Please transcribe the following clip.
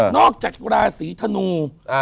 นอกจากราศีธนู